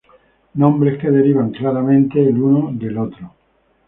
Nombres que derivan claramente el uno del otro.